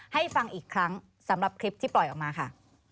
ให้ฟังอีกครั้งสำหรับคลิปที่ปล่อยออกมาค่ะ